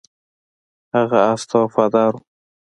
هغه اس ته وفادار و.